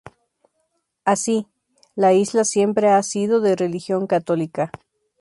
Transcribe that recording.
Así, la isla siempre ha sido de religión católica.